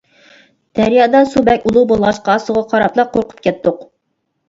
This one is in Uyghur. دەريادا سۇ بەك ئۇلۇغ بولغاچقا سۇغا قاراپلا قورقۇپ كەتتۇق.